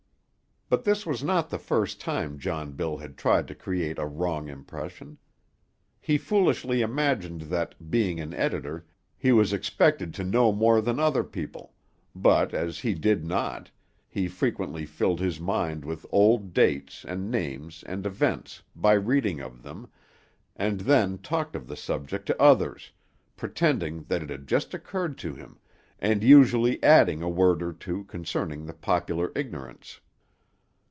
But this was not the first time John Bill had tried to create a wrong impression. He foolishly imagined that, being an editor, he was expected to know more than other people; but as he did not, he frequently filled his mind with old dates, and names, and events, by reading of them, and then talked of the subject to others, pretending that it had just occurred to him, and usually adding a word or two concerning the popular ignorance.